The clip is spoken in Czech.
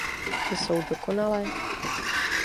Jsou dokonalé?